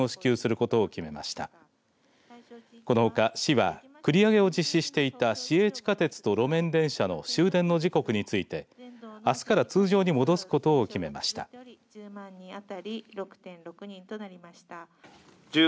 このほか市は繰り上げを実施していた市営地下鉄と路面電車の終電の時刻についてあすから通常に戻すことを決めました。